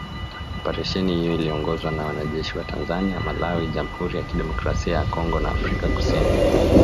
operesheni hiyo iliongozwa na wanajeshi wa Tanzania, Malawi, Jamhuri ya Kidemokrasia ya Kongo na Afrika kusini